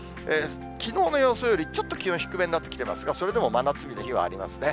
きのうの予想よりちょっと気温低めになってきてますが、それでも真夏日の日はありますね。